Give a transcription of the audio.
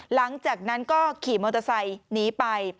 หลังจากนั้นก็ขี่มอเตอร์ไซค์หนีไป